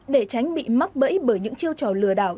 để tránh bị mắc bẫy bởi những chiêu trò lừa đảo